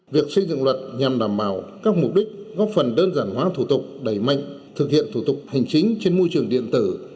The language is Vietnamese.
việc xây dựng luật nhằm đảm bảo các mục đích góp phần đơn giản hóa thủ tục đẩy mạnh thực hiện thủ tục hành chính trên môi trường điện tử